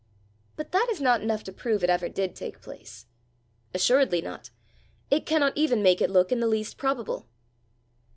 "But that is not enough to prove it ever did take place." "Assuredly not. It cannot even make it look in the least probable."